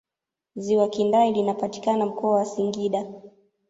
ziwa kindai linapatikana mkoa wa singida